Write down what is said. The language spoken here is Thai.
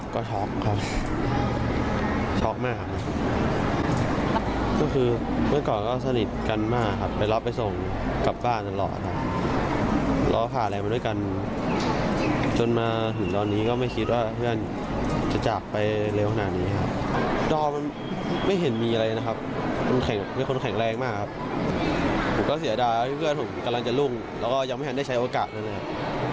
ก็เสียดาที่เพื่อนผมกำลังจะลุงแล้วก็ยังไม่ทันได้ใช้โอกาสเลยนะครับ